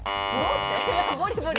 ボリボリ。